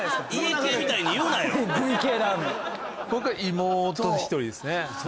僕は妹１人ですね。